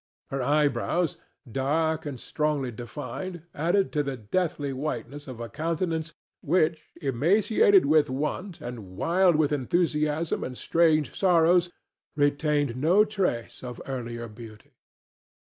Her eyebrows, dark and strongly defined, added to the deathly whiteness of a countenance which, emaciated with want and wild with enthusiasm and strange sorrows, retained no trace of earlier beauty.